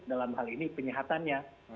dalam hal ini penyihatannya